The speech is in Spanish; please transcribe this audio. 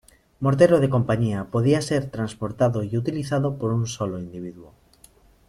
Mortero de compañía, podía ser transportado y utilizado por un solo individuo.